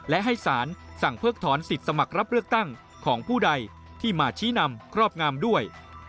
และให้สารสั่งเพิกถอนสิทธิ์สมัครรับเลือกตั้งของผู้ใดที่มาชี้นำครอบงามด้วย